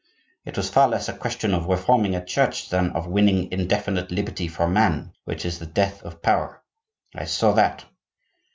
It was far less a question of reforming a Church than of winning indefinite liberty for man—which is the death of power. I saw that.